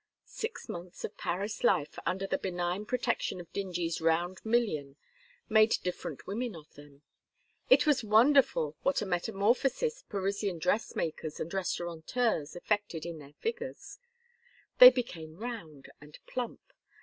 Six months of Paris life under the benign protection of Dingee's round million made different women of them. It was wonderful what a metamorphosis Parisian dressmakers and restaurateurs effected in their figures. They became round and plump.